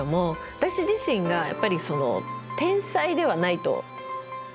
私自身がやっぱり天才ではないと。